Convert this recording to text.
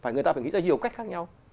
người ta phải nghĩ ra nhiều cách khác nhau